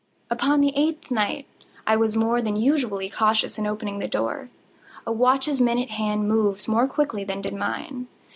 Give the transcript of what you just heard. Upon the eighth night I was more than usually cautious in opening the door. A watch's minute hand moves more quickly than did mine.